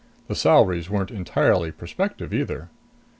The salaries weren't entirely prospective either.